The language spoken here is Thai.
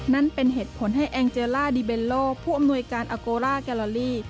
นั่นเป็นเหตุผลให้แองเจล่าดีเบนโลผู้อำนวยการอาโกล่าแกลลอรี่